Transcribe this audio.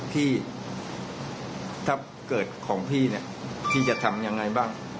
ถ้าเกิดของพี่จะทำยังไงบ้าง